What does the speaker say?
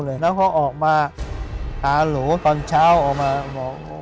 แล้วเขาออกมาหาหลูตอนเช้าออกมาบอกว่า